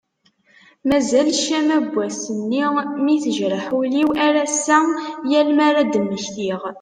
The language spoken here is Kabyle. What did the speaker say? Mazal ccama n wass-nni mi tejreḥ ul-iw ar ass-a yal mi ad d-mmektiɣ.